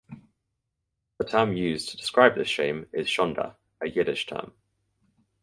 The term used to described this shame is ""shonda"" (a Yiddish term).